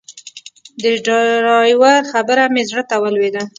د ډرایور خبره مې زړه ته ولوېده.